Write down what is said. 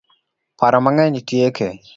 Paro mang'eny tieke